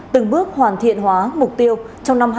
từng bước hoàn thiện hóa mục tiêu trong năm hai nghìn một mươi tám